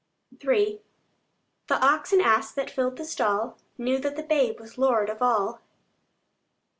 III The ox and ass that filled the stall, Knew that the babe was Lord of all.